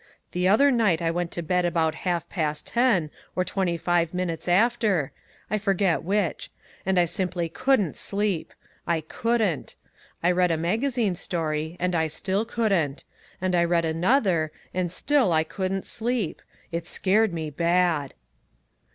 The other night I went to bed about half past ten, or twenty five minutes after, I forget which, and I simply couldn't sleep. I couldn't. I read a magazine story, and I still couldn't; and I read another, and still I couldn't sleep. It scared me bad."